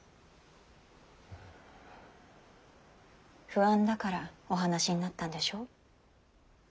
不安だからお話しになったんでしょう。